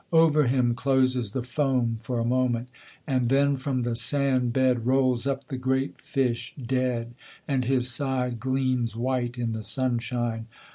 Over him closes the foam for a moment; and then from the sand bed Rolls up the great fish, dead, and his side gleams white in the sunshine.